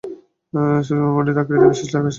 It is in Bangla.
সুষমামণ্ডিত আকৃতি বিশিষ্ট আকাশের।